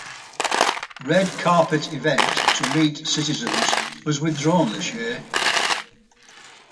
Red carpet event to meet citizens was withdrawn this year.